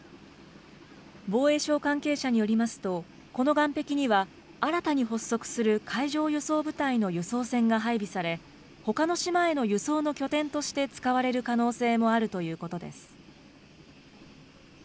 防衛省関係者によりますと、この岸壁には、新たに発足する海上輸送部隊の輸送船が配備され、ほかの島への輸送の拠点として使われる可能性もあるということです。